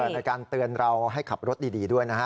ในการเตือนเราให้ขับรถดีด้วยนะฮะ